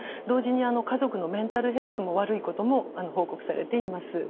同時に家族のメンタルヘルスも悪いことも報告されています。